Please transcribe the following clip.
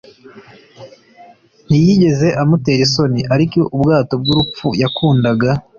ntiyigeze amutera isoni, ariko ubwato bw'urupfu yakundaga